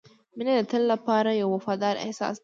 • مینه د تل لپاره یو وفادار احساس دی.